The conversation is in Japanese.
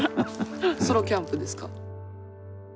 ソロキャンプですか。